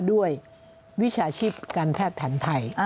วิชาชีพการแพทย์แผนไทย